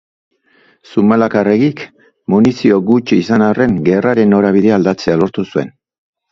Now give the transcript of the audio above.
Zumalakarregik, munizio gutxi izan arren, gerraren norabidea aldatzea lortu zuen.